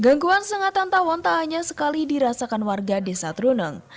gangguan sengatan tawon tak hanya sekali dirasakan warga desa truneng